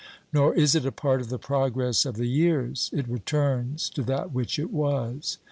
Nor is it a part of the progress of the years ; it returns to that which it was.